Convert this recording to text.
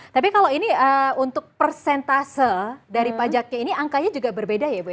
tapi kalau ini untuk persentase dari pajaknya ini angkanya juga berbeda ya bu ya